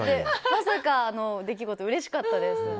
まさかの出来事うれしかったです。